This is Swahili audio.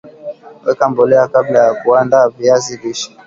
Weka mbolea kabla ya kuanda viazi lishe